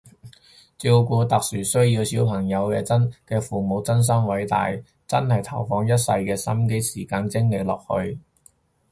照顧特殊需要小朋友嘅父母真心偉大，真係投放一世嘅心機時間精力落去